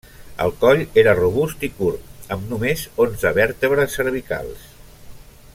El coll era robust i curt amb només onze vèrtebres cervicals.